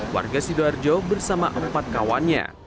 warga sidoarjo bersama empat kawannya